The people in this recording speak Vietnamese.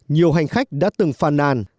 nhiều hành khách đã từng phàn nàn